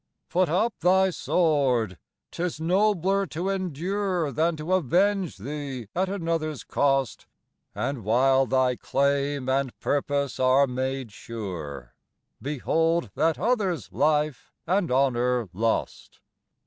Put up thy sword. 'Tis nobler to endure Than to avenge thee at another's cost; And while thy claim and purpose are made sure, Behold that other's life and honor lost.